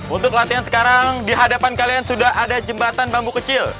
untuk latihan sekarang di hadapan kalian sudah ada jembatan bambu kecil